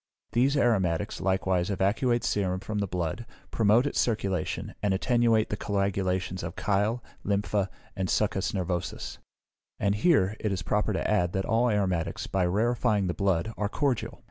These aromatics likewise evacuate serum from the blood, promote its circulation, and attenuate the coagulations of chyle, lympha, and succus nervosus. And here, it is proper to add, that all aromatics, by rarefying the blood, are cordial.